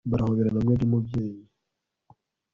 barahoberana bimwe byumubyeyi